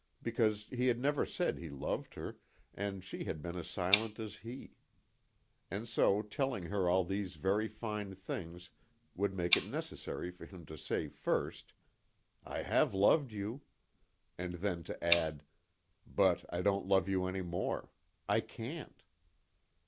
Because he had never said he loved her and she had been as silent as he. And so telling her all these very fine things would make it necessary for him to say first, "I have loved you." And then to add, "But I don't love you any more. I can't."